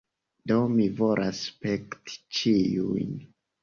Do, mi volas spekti ĉiujn